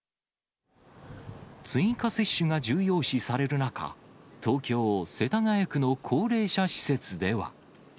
追加接種が重要視される中、東京・世田谷区の高齢者施設では。